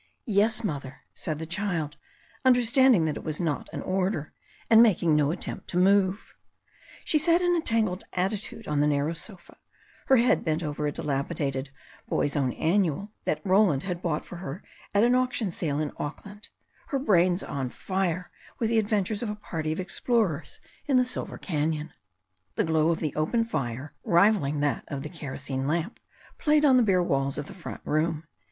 "Yes, Mother," said the child, understanding that it was not an order, and making no attempt to move. She sat in a tangled attitude on the narrow sofa, her head bent low over a dilapidated Boys^ Own Annual that Roland had bought for her at an auction sale in Auck land, her brains on fire with the adventures of a party of explorers in The Silver Canyon, The glow of the open fire, rivalling that of the kerosene lamp, played on the bare walls of the front room.